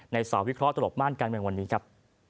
ในสวิเคราะห์ตลกม่านการแบ่งวันนี้ครับ